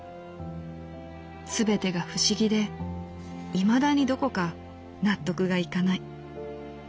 すべてが不思議でいまだにどこか納得がいかない」。